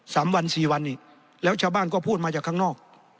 สามวันสี่วันนี้แล้วชาวบ้านก็พูดมาจากข้างนอก